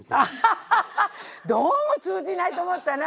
どうも通じないと思ったな。